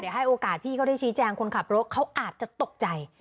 ให้โอกาสพี่เขาได้ชี้แจงคนขับรถเขาอาจจะตกใจ